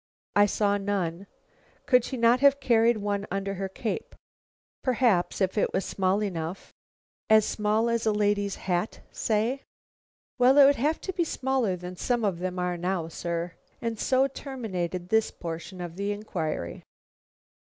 "I saw none." "Could she not have carried one under her cape?" "Perhaps, if it was small enough." "As small as a lady's hat, say?" "Well, it would have to be smaller than some of them are now, sir." And so terminated this portion of the inquiry.